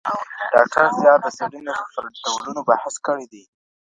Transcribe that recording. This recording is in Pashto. ډاکټر زیار د څېړني پر ډولونو بحث کړی دئ.